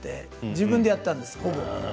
自分でやったんです、ほぼ。